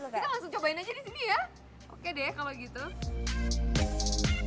kita langsung cobain aja disini ya oke deh kalau gitu